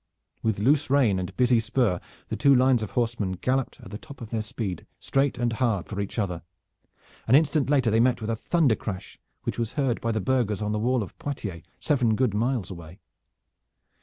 With loose rein and busy spur the two lines of horsemen galloped at the top of their speed straight and hard for each other. An instant later they met with a thunder crash which was heard by the burghers on the wall of Poitiers, seven good miles away.